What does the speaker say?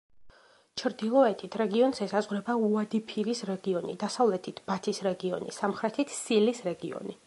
ჩრდილოეთით რეგიონს ესაზღვრება უადი-ფირის რეგიონი, დასავლეთით ბათის რეგიონი, სამხრეთით სილის რეგიონი.